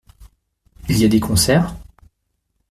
Il y a des concerts ?